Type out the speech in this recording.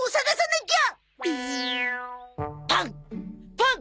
パン！